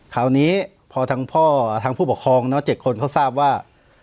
คราวนี้พอทางพ่อทางผู้ปกครอง๗คนเขาทราบว่า